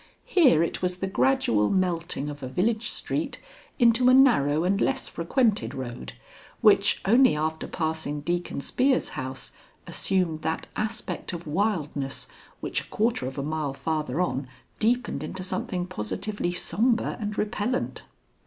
Here it was the gradual melting of a village street into a narrow and less frequented road, which only after passing Deacon Spear's house assumed that aspect of wildness which a quarter of a mile farther on deepened into something positively sombre and repellent.